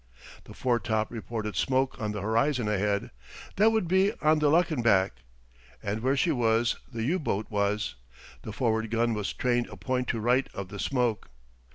The foretop reported smoke on the horizon ahead. That would be on the Luckenbach. And where she was the U boat was. The forward gun was trained a point to right of the smoke.